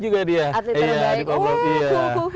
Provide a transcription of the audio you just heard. iya di pop up